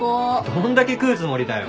どんだけ食うつもりだよ。